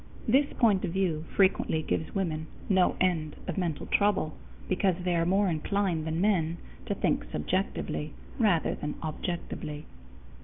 This point of view frequently gives women no end of mental trouble, because they are more inclined than men to think subjectively rather than objectively.